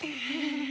フフフ。